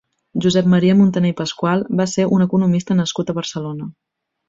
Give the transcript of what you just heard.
Josep Maria Muntaner i Pasqual va ser un economista nascut a Barcelona.